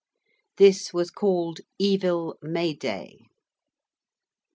This was called 'Evil May Day.'